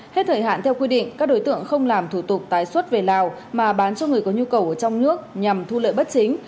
hết thời hạn theo quy định các đối tượng không làm thủ tục tái xuất về lào mà bán cho người có nhu cầu ở trong nước nhằm thu lợi bất chính